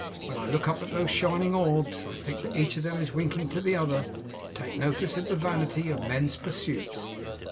When I look up at those shining orbs, I think that each of them is winking to the other to take notice of the vanity of men's pursuits.